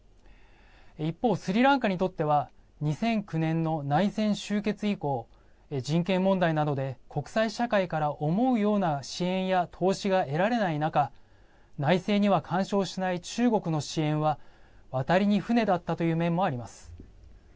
一方、スリランカにとっては２００９年の内戦終結以降人権問題などで国際社会から思うような支援や投資が得られない中内政には干渉しない中国の支援は渡りに船だったという面もあります。